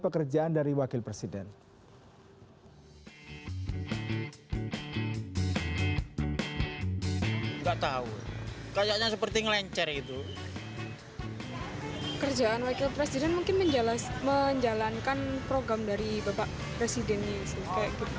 kerjaan wakil presiden mungkin menjalankan program dari bapak presidennya